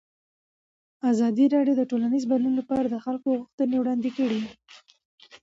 ازادي راډیو د ټولنیز بدلون لپاره د خلکو غوښتنې وړاندې کړي.